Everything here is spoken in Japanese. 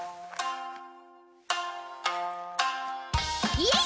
イエイ！